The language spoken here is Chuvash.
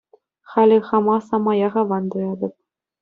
Халӗ хама самаях аван туятӑп.